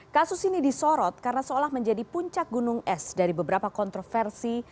kasus ini disorot karena seolah menjadi puncak gunung es dari beberapa kontroversi